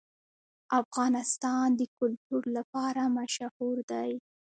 افغانستان د کلتور لپاره مشهور دی.